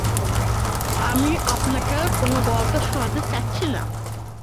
আমি আপনাকে কোনো গল্প শোনাতে চাচ্ছি না।